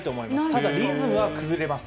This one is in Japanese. ただ、リズムは崩れます。